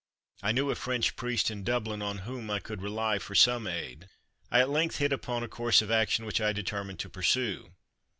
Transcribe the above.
I knew a French priest in Dublin on whom I could rely for some aid. I at length hit upon a course of action which I determined to pursue.